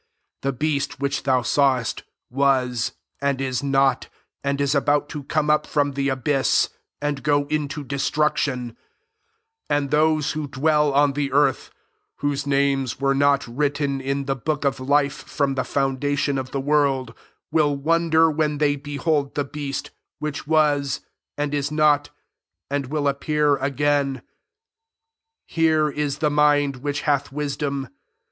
8 The beast which thou sawest, was, and is not ; and h about to come up from the abyss, and go into destruction : and those who dwell on the earth (whose names were not written in the book of life from the foundation of the world) will Wonder when they behold the beast, which was,, and is not, and will appear again. ■ 9 Here i« the mind which hath wisdom.